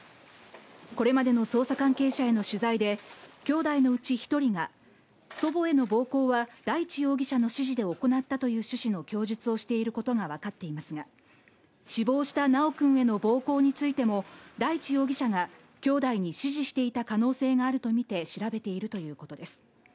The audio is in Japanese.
これまでの捜査関係者への取材で、きょうだいのうち１人が、祖母への暴行は大地容疑者の指示で行ったという趣旨の供述をしていることがわかっていますが、死亡した修くんへの暴行についても、大地容疑者がきょうだいに指示していた可能性があるとみて調べているということです。